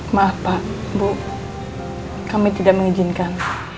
maaf pak bu kami tidak mengizinkan